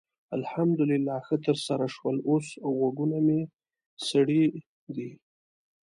الحمدلله ښه ترسره شول؛ اوس غوږونه مې سړې دي.